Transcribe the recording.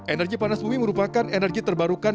energi panas bumi merupakan energi terbarukan